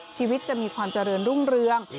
ชีวิตจะมีความเจริญรุ่งเรือง